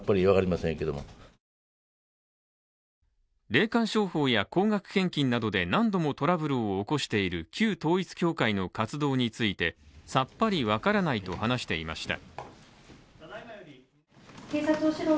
霊感商法や高額献金などで何度もトラブルを起こしている旧統一教会の活動についてさっぱり分からないと話していました。